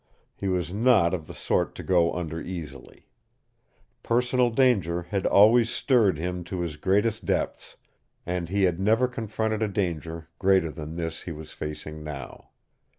He was not of the sort to go under easily. Personal danger had always stirred him to his greatest depths, and he had never confronted a danger greater than this he was facing now.